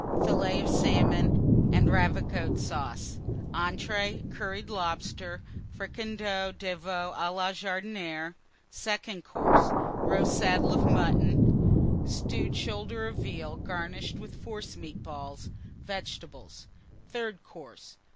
Fillets of Salmon and Ravigotte Sauce. ENTREES. Curried Lobster. Fricandeau de Veau à la Jardinière. SECOND COURSE. Roast Saddle of Mutton. Stewed Shoulder of Veal, garnished with Forcemeat Balls. Vegetables. THIRD COURSE.